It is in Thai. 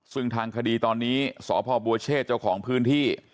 ซึ่งทางคดีตอนนี้สพบัวเชษเจ้าของพื้นที่